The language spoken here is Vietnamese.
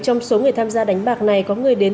trong số người tham gia đánh bạc này có người đến